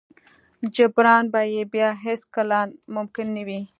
جبران به يې بيا هېڅ کله ممکن نه وي.